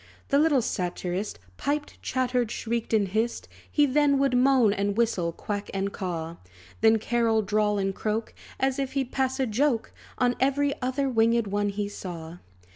The little satirist Piped, chattered, shrieked, and hissed; He then would moan, and whistle, quack, and caw; Then, carol, drawl, and croak, As if he'd pass a joke On every other winged one he saw.